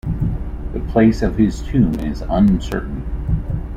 The place of his tomb is uncertain.